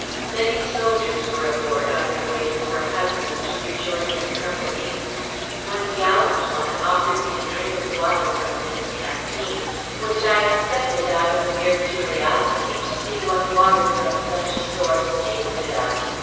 Many soldiers were aboard on their way to Port Hudson, to rejoin their companies. One gallant one offered me a drink of water from his canteen, which I accepted out of mere curiosity to see what water from such a source tasted of.